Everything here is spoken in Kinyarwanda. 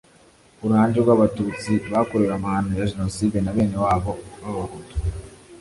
Ku ruhande rw’Abatutsi bakorewe amahano ya Jenoside na bene wabo b’Abahutu